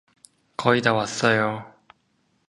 거의 다 왔어요.